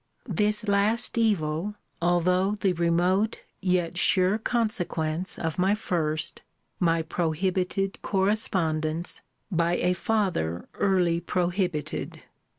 This last evil, although the remote, yet sure consequence of my first my prohibited correspondence! by a father early prohibited.